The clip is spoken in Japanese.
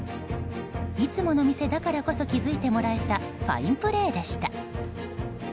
いつもの店だからこそ気づいてもらえたファインプレーでした。